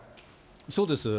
そうです。